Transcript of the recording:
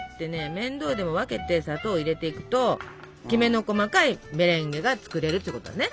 面倒でも分けて砂糖を入れていくときめの細かいメレンゲが作れるってことね。